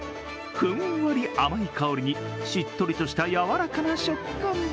ふんわり甘い香りに、しっとりとしたやわらかな食感。